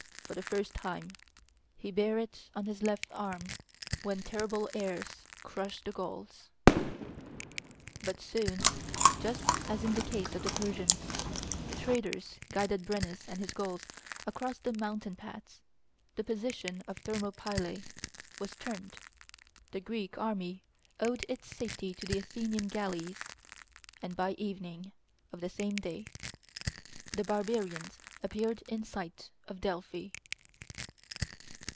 FOR THE FIRST TIME HE BARE IT ON HIS LEFT ARM WHEN TERRIBLE ARES CRUSHED THE GAULS. But soon, just as in the case of the Persians, traitors guided Brennus and his Gauls across the mountain paths; the position of Thermopylae was turned; the Greek army owed its safety to the Athenian galleys; and by evening of the same day the barbarians appeared in sight of Delphi.